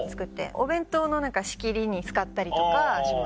お弁当の仕切りに使ったりとかします。